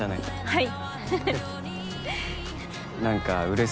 はい。